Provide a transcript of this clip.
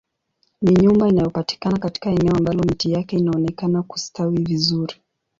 Ni nyumba inayopatikana katika eneo ambalo miti yake inaonekana kustawi vizuri